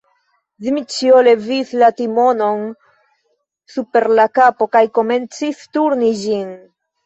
Dmiĉjo levis la timonon super la kapo kaj komencis turni ĝin.